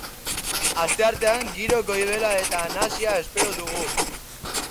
Asteartean giro goibela eta nahasia espero dugu.